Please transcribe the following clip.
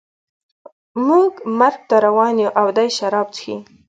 موږ مرګ ته روان یو او دی شراب څښي